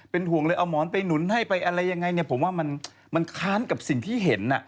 ห่วงเลยเอาหมอนไปหนุนให้ไปอะไรยังไงเนี่ยผมว่ามันค้านกับสิ่งที่เห็น